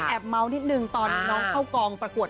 แอบเมาอี้นึงตอนน้องเค้ากองประกวด